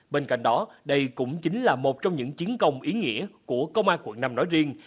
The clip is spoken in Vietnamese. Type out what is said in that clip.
bên cạnh đó đây cũng chính là một trong những chiến công ý nghĩa của công an quận năm nói riêng